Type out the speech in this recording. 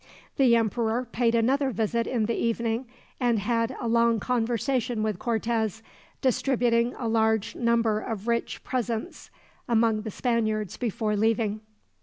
The emperor paid another visit in the evening, and had a long conversation with Cortez, distributing a large number of rich presents among the Spaniards before leaving.